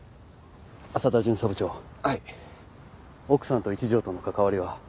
奥さんと一条との関わりは？